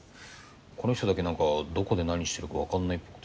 この人だけ何かどこで何してるかわかんないっぽくて。